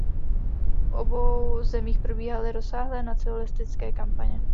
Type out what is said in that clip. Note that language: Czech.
V obou zemích probíhaly rozsáhlé nacionalistické kampaně.